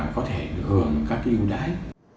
có thể hưởng các hưu đái